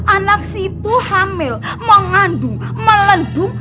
anak situ hamil mengandung melendung